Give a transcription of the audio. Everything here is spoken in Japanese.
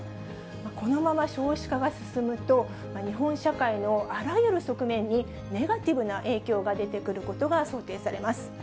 このまま少子化が進むと、日本社会のあらゆる側面に、ネガティブな影響が出てくることが想定されます。